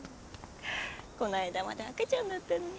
こないだまで赤ちゃんだったのに。